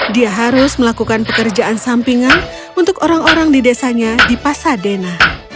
dia harus melakukan pekerjaan sampingan untuk orang orang di desanya di pasadena